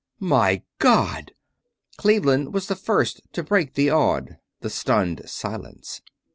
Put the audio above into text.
"MY ... GOD!" Cleveland was the first to break the awed, the stunned, silence.